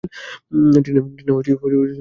টিনা, সব দোষ তোমার।